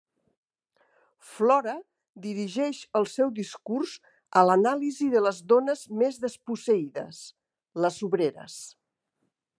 Flora dirigeix el seu discurs a l'anàlisi de les dones més desposseïdes: les obreres.